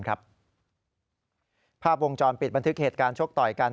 ภาพวงจรปิดบันทึกเหตุการณ์ชกต่อยกัน